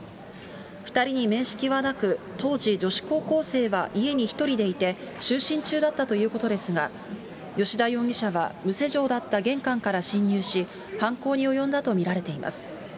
２人に面識はなく、当時、女子高校生は家に１人でいて、就寝中だったということですが、吉田容疑者は無施錠だった玄関から侵入し、犯行に及んだと見られています。